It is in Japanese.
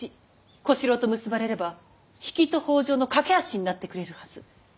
小四郎と結ばれれば比企と北条の懸け橋になってくれるはず。